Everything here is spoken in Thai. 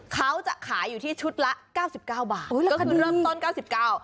เขาจะขายอยู่ที่ชุดละเก้าสิบเก้าบาทโอ้ยก็คือเริ่มต้นเก้าสิบเก้า